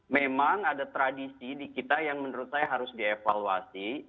memang ada tradisi di kita yang menurut saya harus dievaluasi